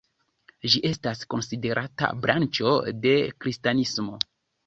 Ĝi estas konsiderata branĉo de kristanismo.